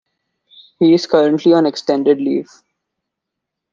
He is currently on "extended leave".